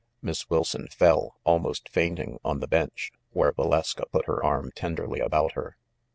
Miss Wilson fell, almost fainting, on the bench, where Valeska put her arm tenderly about her.